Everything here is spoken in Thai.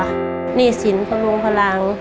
หนี้สินเขาลงพลัง